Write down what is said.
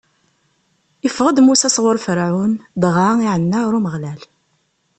Iffeɣ-d Musa sɣur Ferɛun, dɣa iɛenna ɣer Umeɣlal.